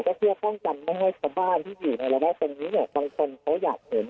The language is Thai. ก็เพื่อป้องกันไม่ให้ชาวบ้านที่อยู่ในระแวกตรงนี้เนี่ยบางคนเขาอยากเห็น